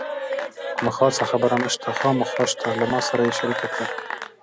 کومه خاصه خبره نشته، خامخا شته له ما سره یې شریکه کړه.